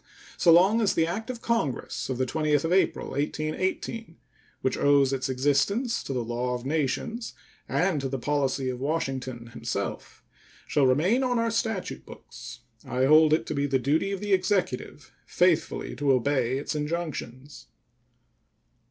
So long as the act of Congress of the 20th of April, 1818, which owes its existence to the law of nations and to the policy of Washington himself, shall remain on our statute books, I hold it to be the duty of the Executive faithfully to obey its injunctions.